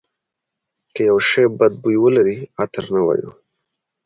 که یو شی بد بوی ولري عطر نه وایو.